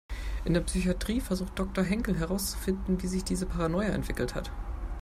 In der Psychatrie versucht Doktor Henkel herauszufinden, wie sich diese Paranoia entwickelt hat.